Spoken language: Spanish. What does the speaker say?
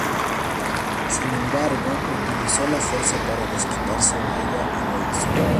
Sin embargo, utilizó la fuerza para desquitarse de ella, y lo hizo.